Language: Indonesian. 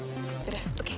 udah oke yuk